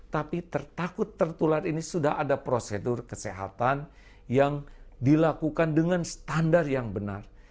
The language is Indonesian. tapi tertakut tertular ini sudah ada prosedur kesehatan yang dilakukan dengan standar yang benar